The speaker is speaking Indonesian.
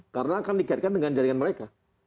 karena akan dikaitkan dengan jaringan mereka